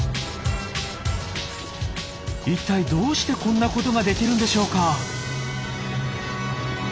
いったいどうしてこんなことができるんでしょうか？